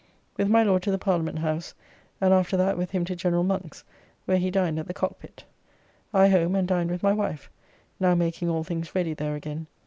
With my Lord to the Parliament House, and, after that, with him to General Monk's, where he dined at the Cock pit. I home and dined with my wife, now making all things ready there again.